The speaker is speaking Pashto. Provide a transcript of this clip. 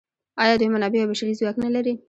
آیا دوی منابع او بشري ځواک نلري؟